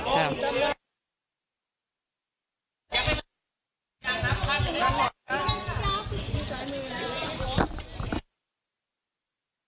สามสอง